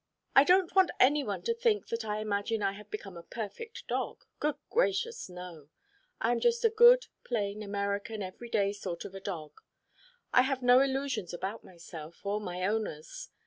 I don't want any one to think that I imagine I have become a perfect dog. Good gracious, no! I am just a good, plain, American every day sort of a dog. I have no illusions about myself, or my owners.